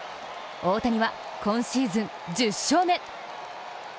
大谷は今シーズン１０勝目。